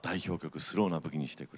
「スローなブギにしてくれ」